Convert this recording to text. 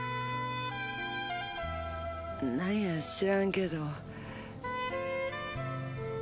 なんや知らんけど。